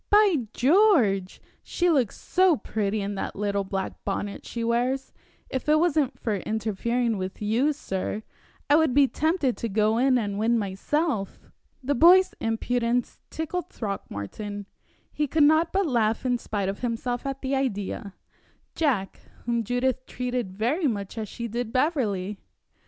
By George! she looks so pretty in that little black bonnet she wears, if it wasn't for interfering with you, sir, I would be tempted to go in and win myself." The boy's impudence tickled Throckmorton. He could not but laugh in spite of himself at the idea Jack, whom Judith treated very much as she did Beverley!